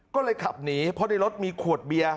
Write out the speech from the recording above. ก็เลยขับหนีเพราะในรถมีขวดเบียร์